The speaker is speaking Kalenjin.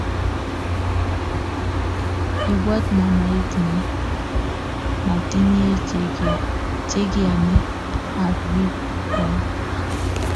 ibwat mamait me matinyei chekiamei ak bik kwai